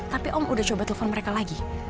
tapi om udah coba telepon mereka lagi